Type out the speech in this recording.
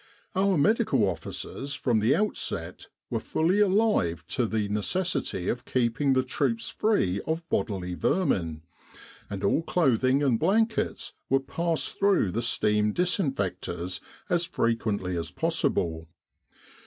Our Medical Officers from the outset were fully alive to the necessity of keeping the troops free of bodily vermin, and all clothing and blankets were passed through the steam disinfectors as frequently as possible.